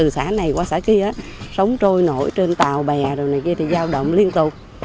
khi đó sống trôi nổi trên tàu bè rồi này kia thì giao động liên tục